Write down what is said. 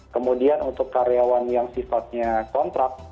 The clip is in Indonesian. kemudian untuk karyawan yang sifatnya kontrak